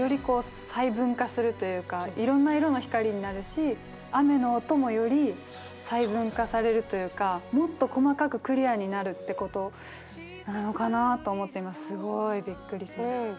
こう細分化するというかいろんな色の光になるし雨の音もより細分化されるというかもっと細かくクリアになるってことなのかなあと思って今すごいびっくりしました。